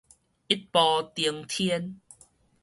一步登天